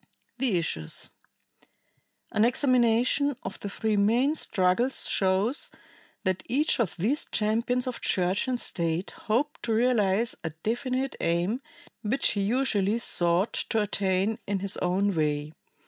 The Issues. An examination of the three main struggles shows that each of these champions of Church and State hoped to realize a definite aim which he usually sought to attain in his own way.